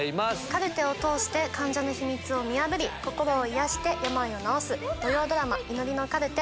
カルテを通して患者の秘密を見破り心を癒やして病を治す土曜ドラマ『祈りのカルテ』。